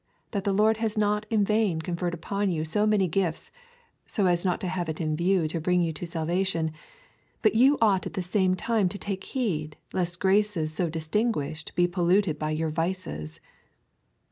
hope tliat the Lord has not in vain conferred upon you so many gifts, so as not to have it in view to bring you to salvation, but you ought at the same time to take heed lest graces so distinguished be polluted by your vices.